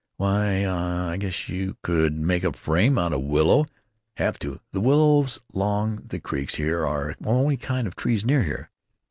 "Why—uh—I guess you could make a frame out of willow—have to; the willows along the creeks are the only kind of trees near here.